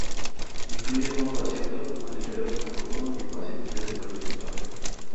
Incluye nuevos asientos, más ligeros y más cómodos y espacios mayores para el equipaje.